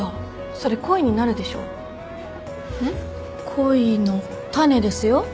恋の種ですよ。